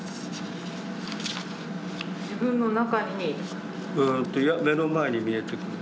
・自分の中に？いや目の前に見えてくる。